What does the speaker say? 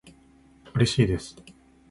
うれしいです